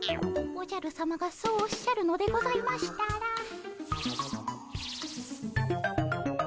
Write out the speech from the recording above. おじゃるさまがそうおっしゃるのでございましたら。